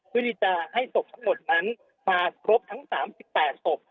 เพื่อที่จะให้ศพทั้งหมดนั้นมาครบทั้ง๓๘ศพ